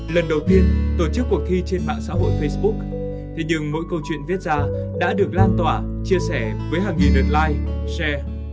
lần đầu tiên tổ chức cuộc thi trên mạng xã hội facebook thế nhưng mỗi câu chuyện viết ra đã được lan tỏa chia sẻ với hàng nghìn đợt live share